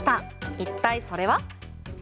一体それは？